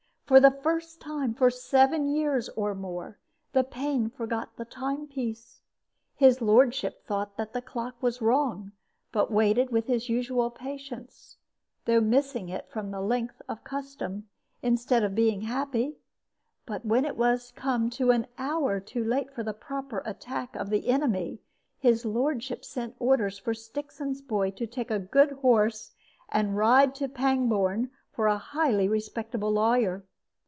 For the first time for seven years or more the pain forgot the time piece. His lordship thought that the clock was wrong; but waited with his usual patience, though missing it from the length of custom, instead of being happy. But when it was come to an hour too late for the proper attack of the enemy, his lordship sent orders for Stixon's boy to take a good horse and ride to Pangbourne for a highly respectable lawyer.